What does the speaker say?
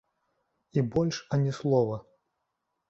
І больш ані слова.